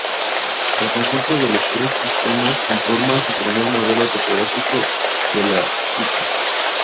El conjunto de los tres sistemas conforma su primer modelo topográfico de la psiquis.